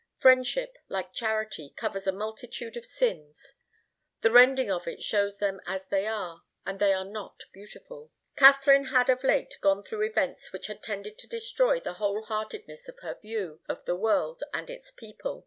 Friendship, like charity, covers a multitude of sins. The rending of it shows them as they are, and they are not beautiful. Katharine had of late gone through events which had tended to destroy the whole heartedness of her view of the world and its people.